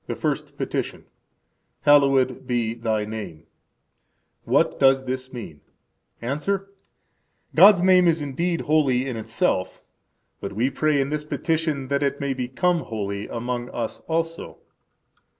The First Petition. Hallowed be Thy name. What does this mean? –Answer: God's name is indeed holy in itself; but we pray in this petition that it may become holy among us also.